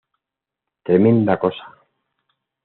Tremenda cosa!